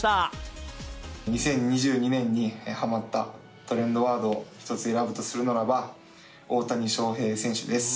２０２２年にはまったトレンドワード、一つ選ぶとするならば、大谷翔平選手です。